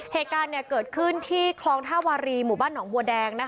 เหตุการณ์เกิดขึ้นที่คลองท่าวารีหมู่บ้านหนองบัวแดง